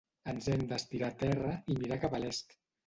Ens hem d’estirar a terra i mirar cap a l’est.